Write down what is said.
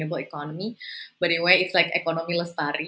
tapi bagaimanapun ini seperti ekonomi lestari